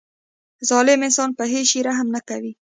ظالم انسان په هیڅ شي رحم نه کوي.